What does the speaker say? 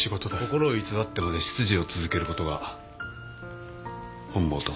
心を偽ってまで執事を続けることが本望と。